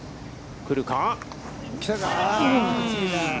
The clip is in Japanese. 来るか？